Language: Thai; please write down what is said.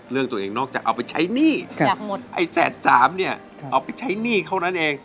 เรื่องตัวเองนอกจากเอาไปใช้หนี้ไอ้แสนสามเนี่ยเอาไปใช้หนี้เขานั้นเอง